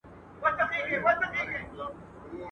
په خوله ﻻاله الاالله، په زړه غلا.